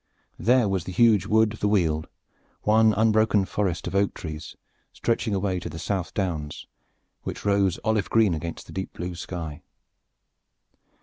There was the huge wood of the Weald, one unbroken forest of oak trees stretching away to the South Downs, which rose olive green against the deep blue sky.